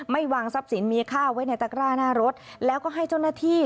วางทรัพย์สินมีค่าไว้ในตะกร้าหน้ารถแล้วก็ให้เจ้าหน้าที่